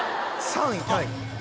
３位タイ？